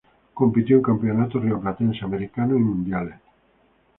Compitió en campeonatos Rioplatenses, Americanos y Mundiales.